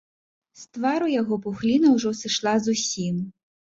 З твару яго пухліна ўжо сышла зусім.